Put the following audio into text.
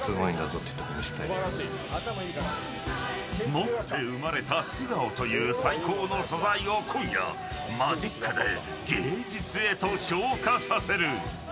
持って生まれた素顔という最高の素材を今夜マジックで芸術へと昇華させる。